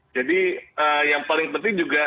jadi yang paling penting juga